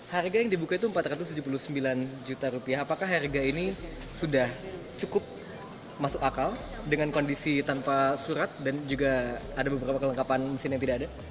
harga yang dibuka itu rp empat ratus tujuh puluh sembilan juta rupiah apakah harga ini sudah cukup masuk akal dengan kondisi tanpa surat dan juga ada beberapa kelengkapan mesin yang tidak ada